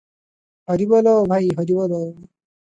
ହରିବୋଲ ଭାଇ ହରିବୋଲ ।